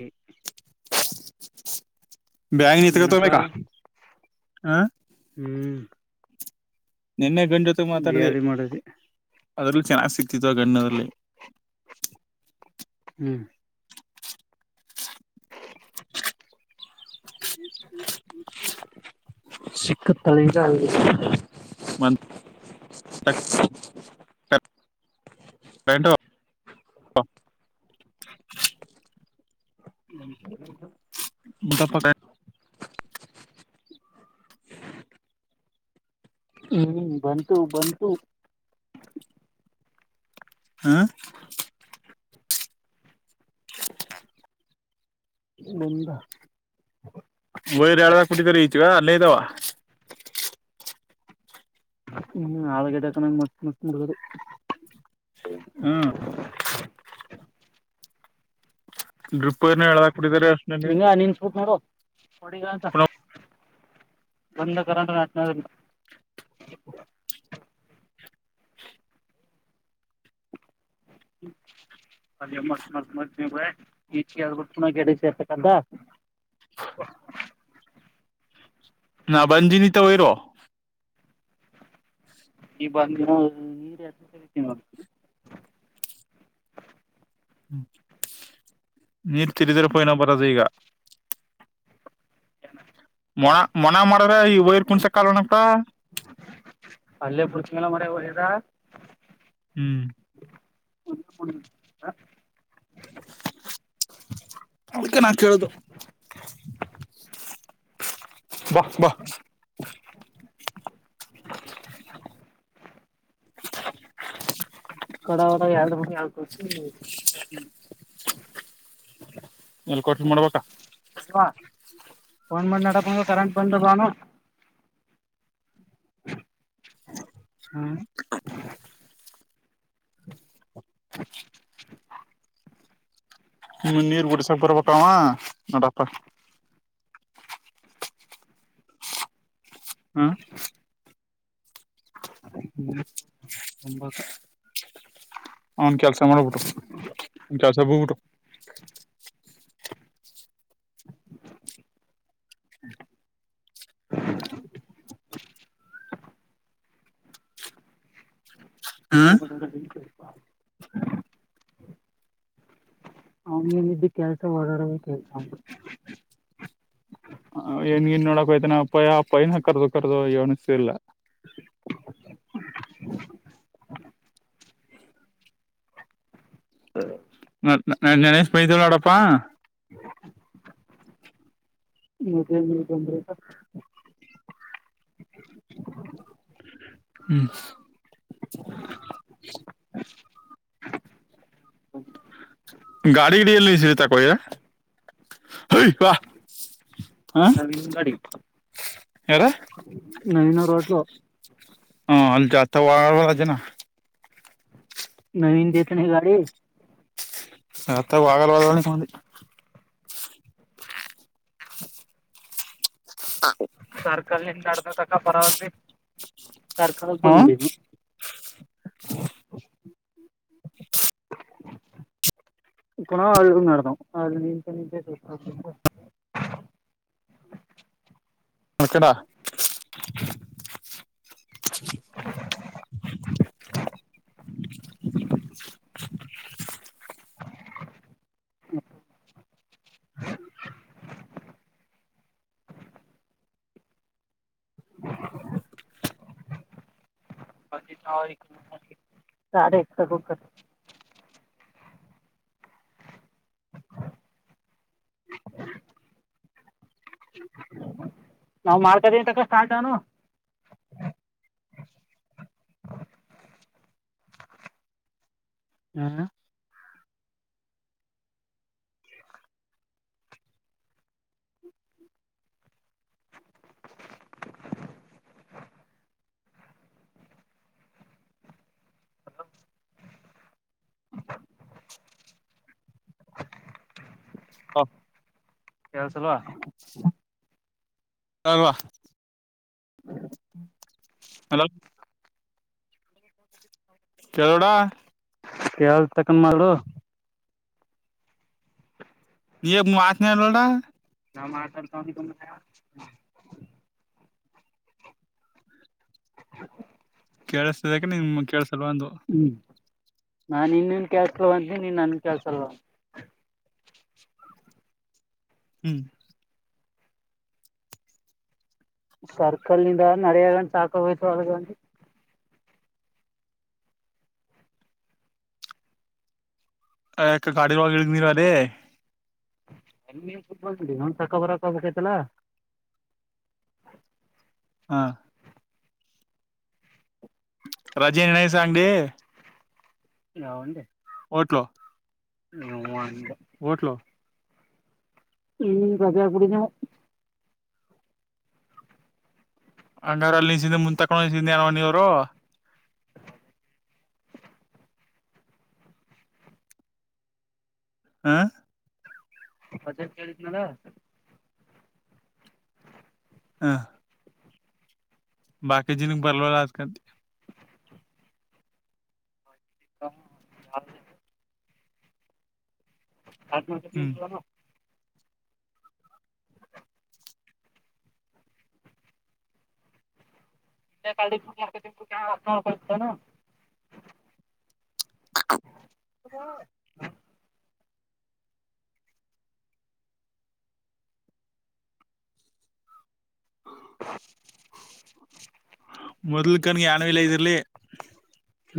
ಏ [inaudible] ಬ್ಯಗ ನೀತಗತ ಬ ಏನಪ್ಪಾ ಕಾ ಹ ನಿನ್ನೆ ಮಾತಾಡಿದೆ ಬ್ಯಾಳಿ ಮಾಡರಿ ಅದ್ರಲ್ಲಿ ಚೆನ್ನಾಗ್ ಸಿಕ್ತಿತ್ತು [unintelligible] ಹ್ಮ್ ಸಿಕ್ಕ ತಳ ಚ ಮ್ಮಂತ್ [inaudible] ನ [inaudible] [inaudible] ಹ್ಮ್ ಬಂತು ಬಂತು ಹಾ ಮುಂದ ಬಯರ ಎಲಾದಹಾಕ್ಬಿತಿದೇವ್ ರಿ ಕೆ ಯಿದಾವ್ ಹ್ಮ ಆಲೂಗಡ್ಡೆ ಕನಂಗ ಮಸ್ತ್ ಮಸ್ತ್ ಮುಡ್ಕದು ಹ್ಮ್ [unintelligible] ಡ್ರಿಪ್ನ ಏಳವಕ್ ನಿಂಗ ನೀನ್ ಪುನಃ [unintelligible] [unintelligible] [unintelligible] ನಾ ಬಂದಿನಿ ತೊಯಿರೋ [unintelligible] ನೀರ್ ತಿರಿದ್ರೆ ಪಯನ ಬರದು ಈಗ [unintelligible] ಮೊಣ ಮನ ಮಾಡ್ರ ಈ ವೈರ್ ಕುಣಸ ಕಾಲೋನಂತ ಅಲ್ಲೇ ಪಚ್ತಂಗಲ್ಲ ಮನೇಗಾ ಹೋಗಿದ್ದ ಹ್ಮ್ [unintelligible] ಅದಕ್ಕೆ ನಾ ಕೇಳುದು ಬಾ ಬಾ [unintelligible] [unintelligible] [unintelligible] ಎಲ್ ಕೊಟ್ಟ ಮಾಡ್ಬೇಕಾ ಅಲ್ವಾ ಫೋನ್ [unintelligible] ಕರೆಂಟ್ ಬಂದ ಬಾನ ಹ್ಮ [unintelligible] ಹೂ ನೀರು ಬಿಡಸಕ್ ಬರ್ಬೇಕು ಅವ ನಾಡಪ್ಪ ಹ್ಮ ತುಂಬ ಅವನ್ ಕೆಲ್ಸ ಮಾಡಬಿಟ್ಟು ಅವನ್ ಕೆಲಸಕ್ ಹೋಗ್ಬಿಟ್ಟು [unintelligible] [unintelligible] [unintelligible] ಹ್ಮ್ ಅವನಿದ್ದ ಕೆಲಸ ಓಡಾಡೋ ಕೆಲ್ಸ [unintelligible] [unintelligible] [unintelligible] ನಂಗ್ ಗಣೇಶ ಬೈದಿಲ್ಲಪ್ಪ [unintelligible] [unintelligible] ಹ್ಮ್ [unintelligible] [unintelligible] ಯಾರ [unintelligible] ಹಾಂ [unintelligible] ವಳವ ರಾಜಜನಾ ನವೀನ್ ದತನ ಗಾಡಿ [unintelligible] [unintelligible] ಸರ್ಕಲ್ಿಂದ ನ್ದ ತಕ್ಕ ಪರವಾಗಿ ಸರ್ಕಾರಕ್ಕೆ ಹ್ಮ್ ಬಂದ್ಬಡನು [inaudible] ಇಲ್ಲ ಆಳದ ಅ ನೀಂತ ನೀಂತ [unintelligible] [inaudible] [unintelligible] ನಾವು ಮಾಡ್ತಾದೀ ತಕ್ಕ ಸ್ಟಾರ್ಟಾನನು ಹ್ಮ್ [unintelligible] [unintelligible] ಹಾ ಕೆಳ್ಸಲ್ವಾ ಅಲ್ವಾ ಹ್ಮ ಹಲೋ ಕೆೇಳೋಡ ಕಳ್ ತಕೊಂಡ ಮಾಡು ನೀ ಮಾತನಲೋಡ ನಾವು ಮಾತಾಡ್ತೋಗ ತಂಬ ಕೆೇಳಸದ ನಿಮ ಚಲಂದು ನಾ ಇನ್ನನ್ ಕ್ಯಾಸ್ಲ್ಲ ಬಂತನಿ ನೀನ್ ನನ್ ಕ್ಯಾಸಲ್ಲ ಹ್ಮ್ ಸರ್ಕಲ್ ನಿಂದ ನಡೆಯಗಂ ಸಾಕ ಹೋ್ತು ಅಗ ಕಾಡಿಾಗ ನೀರವದೇ ಎನ್ ಕು ನ ತಕ್ಕ ಬರಕಬೇಕಾಯತಲ್ಲ ಹಾ ರಜೆ ನಿನಯ ಸಾಂಗ ಡಿ ಹೌಂಡೆ ಹೋಟ್ಲು ಹ್ಮ ೋಟ್ಲ ಈ ರಜಾ ಗುಡಿನ ಹಂಗಾರ ಅಲ್ಲಿ ನಿಸೆ ಮುಂದ ತಕೊಂಡ ನಿಸೆ ಅನ ಮನವ್ರು [inaudible] ಬಜಟ್ ಕೇಳಿದನಲ್ಲ ಹಾಂ ಬಕಿ ಜಿಿನಿಗೆ ಬರವಲಕಂತ [unintelligible] ಹತ್ತು ಮನು ಹ್ಮ್ ತಡ [inaudible] [inaudible] ಹೂ [inaudible] ಮೊದ್ಲು ಕನ್ಗೆ ಯನ ಇಲ್ಲ ಇದಿರ್ಲಿ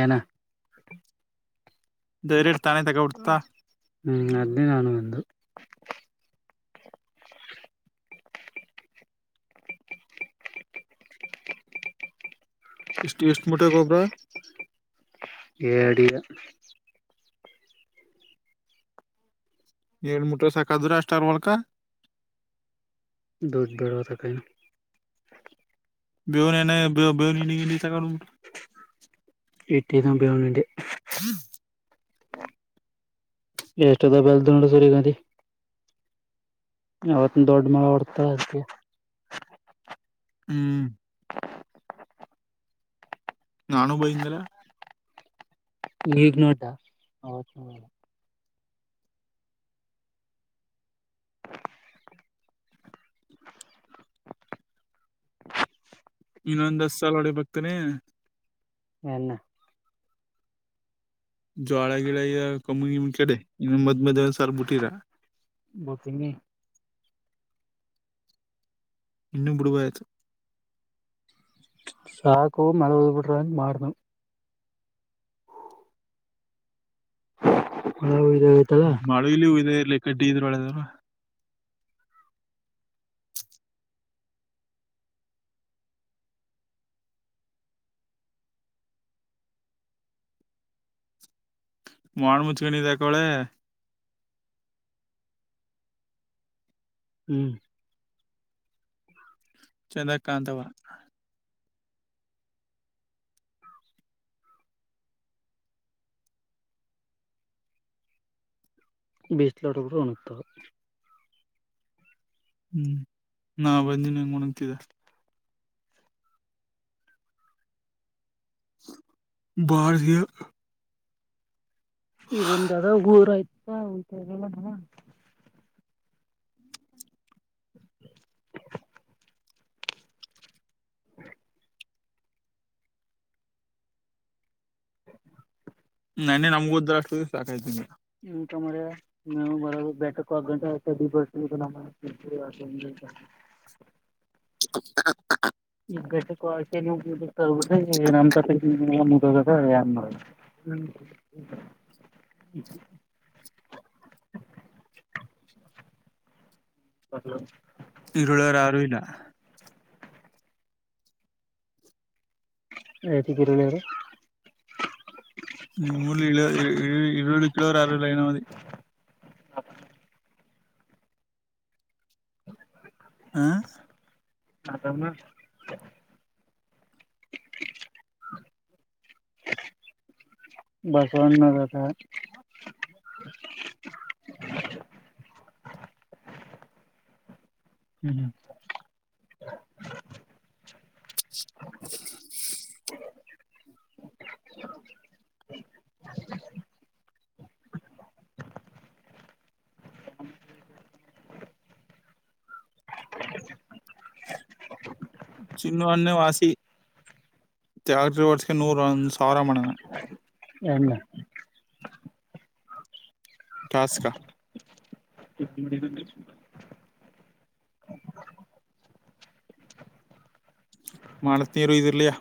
ಏನ ಧೈರೆ ತಾನೇ ತಗ ಉಡ್ತಾ ಹ್ಮ್ ಅದೇ ನಾನು ಬಂದು ಇಸ್ಟ್ ಈಸ್ಟ್ ಮುಟೆಗಬ್ಬರ ಎಡಿ ಏನಮೂಟರ್ ಸಾಕಾ ಆದುರ್ ಅಷ್ಟಬಡುಕ ದೊಧ ಬೆರೋತಾಕಣ [inaudible] [unintelligible] [inaudible] ಎಷ್ಟು ಅದ ಬೆಲ್ದು ನೋಡ ಸುರಿಗಾಂಧಿ ಅವತ್ ದೊಡ್ಡ ಮಳೆ ಹೊಡ್ತಾರ ಅದೆ ಹ್ಮ್ ನಾನು ಬೈದಾನಲ್ ಈಗ್ ನೋಡದ್ದಾ ಇನ್ನೊಂದ್ ದಸ್ ಸಾಲ ಒಡೆಗೆ ಬತ್ತನೆ ಎಲ್ಲಾ ಜೋಳ ಗಿಳ ಕಮ್ಮುನಿ ಕಡೆ ಇನ್ನ ಮದ್ ಮದ್ ಸರ್ ಬಿಟ್ಟಿರಾ ಮತ್ತ್ ಇನ್ನೆ ಇನ್ನೂ ಬಿಡುಬಾಯತ್ತು ಸಾಕೂ ಮಲಲ ಬಿಡ್ರ ಮಾಡಾರನ ಖಾನಾವಳಿ ಮಾಳು ಇಲಿ ಉಯಿದೆ ಇರ್ಲಿ ಬೀಗ್ವಳಗನ್ ಮಾಡಣ ಮುಚ್ಕಣಿದೆಆಕವಳೆ ಹ್ಮ್ ಚಂದಗಕಾಣಂತಾವಾ ಬೀಸ ಲೋಟರು ಉಂಟು ಹ್ಮ್ ನಾ ಬಂದನ ಹೆಂಗ ನಂತಿದ. ಬಾರಿಗೆ [unintelligible] ಈಗೊಂದ್ ಅದ ಊರ ಆಯ್ತಾ ಒಲ್ಲ [inaudible] [inaudible] ನಾನೆ ನಮ್ಗ ಉದ್ರ ಅಷ್ಟು ಸಾಕಾಯ್ತೀನಿ ಬ ಬೆಕ ಆಟ ಬರ್ [inaudible] [unintelligible] [unintelligible] [unintelligible] [unintelligible] ಹ್ಮ ಇರುಳರು ಯಾರುಇಲ್ಲಾ [unintelligible] ನಿಮ್ಮೂರ್ಲಿ ಇಳ ಈರುಳ್ಳಿ ಕಿಲೋ ಯಾರಿಲ್ಲ ಏನೋ ಮದಿ [unintelligible] ಹ ಹ ಅ ಬಸವಣ ನದ ಹೂ ಹ ಹ ಹ ಚಿನ್ನ ಅನ್ನೆ ವಾಸಿ ರಿ ವರ್ಷಕ್ಕೆ ನೂರ ಒಂದ್ ಸಾವಿರ ಮಣನ ಹಲ್ಲ ಾಸ್ಕ ಎ ಮಾಡಸ್ ನೀರು ಇದರ್ಲಯಾ